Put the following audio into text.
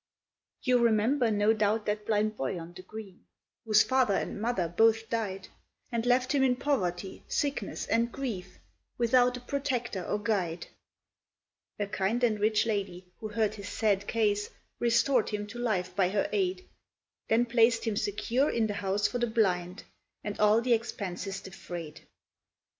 "You remember, no doubt, that blind boy on the green, Whose father and mother both died, And left him in poverty, sickness, and grief, Without a protector or guide. "A kind and rich lady, who heard his sad case, Restor'd him to life by her aid, Then plac'd him secure in the house for the blind, And all the expences defray'd.